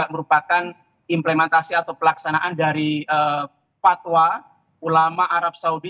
merupakan implementasi atau pelaksanaan dari fatwa ulama arab saudi